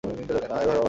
না এভার যাওয়া হবে না।